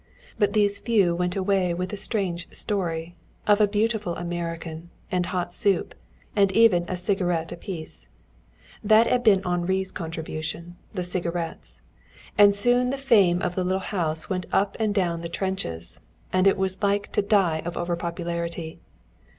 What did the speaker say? But these few went away with a strange story of a beautiful American, and hot soup, and even a cigarette apiece. That had been Henri's contribution, the cigarettes. And soon the fame of the little house went up and down the trenches, and it was like to die of overpopularity.